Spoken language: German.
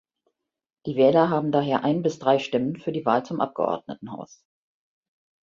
Die Wähler haben daher ein bis drei Stimmen für die Wahl zum Abgeordnetenhaus.